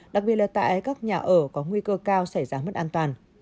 đặc biệt là tại các nhà ở có nguy cơ cao xảy ra mất an toàn